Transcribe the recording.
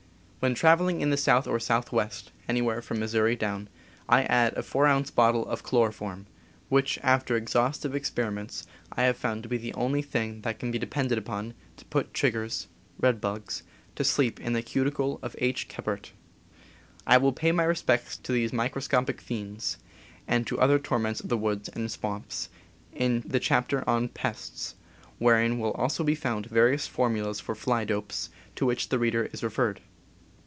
When traveling in the South or Southwest (anywhere from Missouri down), I add a 4 ounce bottle of chloro p. J. form, which, after exhaustive experi ments, I have found to be the only thing that can be depended upon to put chiggers (red bugs) to sleep in the cuticle of H. Kephart. I will pay my respects to these microscopic fiends, and to other torments of the woods and swamps, in the chap ter on Pests, wherein will also be found various for mulas for fly dopes, to which the reader is referred.